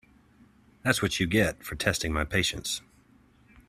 That’s what you get for testing my patience.